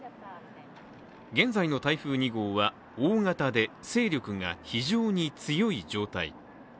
現在の台風２号は、大型で勢力が非常に強い状態